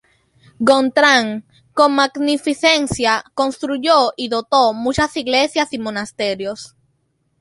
Gontrán, con magnificencia, construyó y dotó muchas iglesias y monasterios.